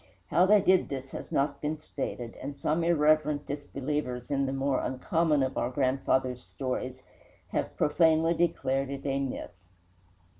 How they did this has not been stated, and some irreverent disbelievers in the more uncommon of our grandfathers' stories have profanely declared it a myth.